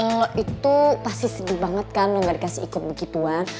lo itu pasti sedih banget kan lo gak dikasih ikut begituan